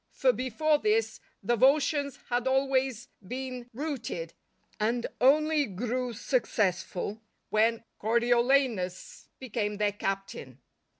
For before this the Volscians had always been routed, and only grew successful when Coriolanus became their captain.